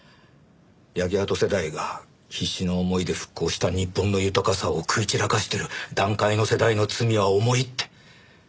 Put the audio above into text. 焼け跡世代が必死の思いで復興した日本の豊かさを食い散らかしてる団塊の世代の罪は重いって。